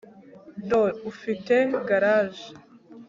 do ufite garage